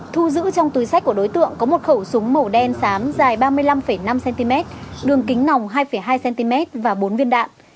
thu giữ trong túi sách của đối tượng có một khẩu súng màu đen sám dài ba mươi năm năm cm đường kính nòng hai hai cm và bốn viên đạn